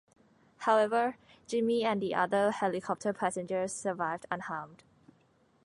However, Jimmy and the other helicopter passengers survived unharmed.